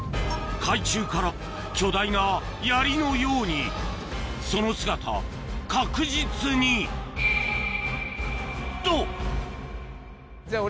海中から巨大なヤリのようにその姿確実にと！